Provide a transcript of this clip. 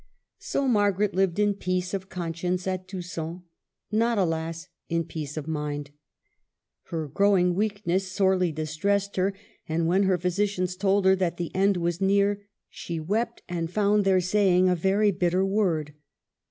So Margaret lived in peace of con science at Tusson ; not, alas ! in peace of mind. Her growing weakness sorely distressed her; and when her physicians told her that the end was near, she wept, and found their saying a ver}^ bitter word.